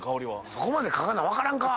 そこまで嗅がな分からんか